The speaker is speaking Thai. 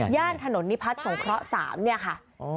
ย่านถนนนิพัฒน์สงเคราะห์๓เนี่ยค่ะ